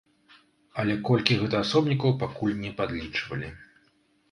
Але колькі гэта асобнікаў, пакуль не падлічвалі.